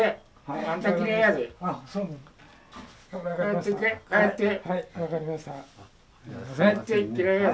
はい分かりました。